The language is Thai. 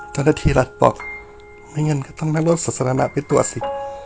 เจ้าหน้าที่รัฐบอกไม่งั้นก็ต้องนั่งรถศาสนาไปตรวจสิ